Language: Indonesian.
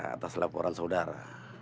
atas laporan saudara